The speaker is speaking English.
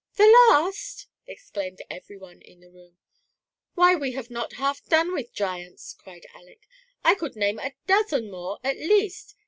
"The last !" exclaimed every one in the room. "Why, we have not half done with giants," cried Aleck; " I could name a dozen more at least.